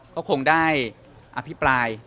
ก็คงได้อภิปราย